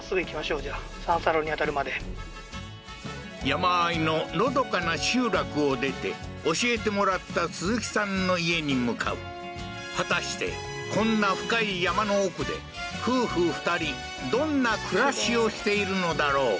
山あいののどかな集落を出て教えてもらったスズキさんの家に向かう果たしてこんな深い山の奥で夫婦２人どんな暮らしをしているのだろう？